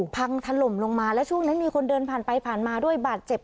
พังถล่มลงมาแล้วช่วงนั้นมีคนเดินผ่านไปผ่านมาด้วยบาดเจ็บ